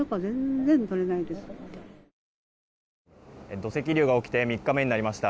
土石流が起きて３日目になりました。